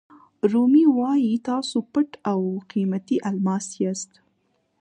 رومي وایي تاسو پټ او قیمتي الماس یاست.